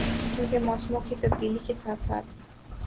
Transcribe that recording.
کیونکہ موسموں کی تبدیلی کے ساتھ ساتھ